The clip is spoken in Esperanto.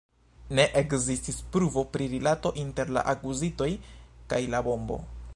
Ne ekzistis pruvo pri rilato inter la akuzitoj kaj la bombo.